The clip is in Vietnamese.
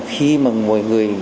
khi mà mọi người